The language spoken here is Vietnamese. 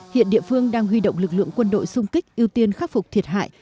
hiện địa phương đang huy động lực lượng quân đội sung kích ưu tiên khắc phục thiệt hại